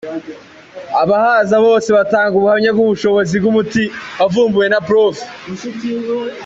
Abahaza bose batanga ubuhamya bw’ubushobozi bw’umuti wavumbuwe na Prof.